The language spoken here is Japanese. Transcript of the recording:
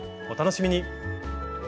お楽しみに！